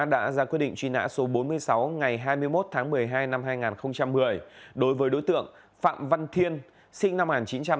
đã ra quyết định truy nã số bốn mươi sáu ngày hai mươi một tháng một mươi hai năm hai nghìn một mươi đối với đối tượng phạm văn thiên sinh năm một nghìn chín trăm tám mươi